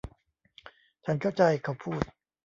ฉันเข้าใจ เขาพูด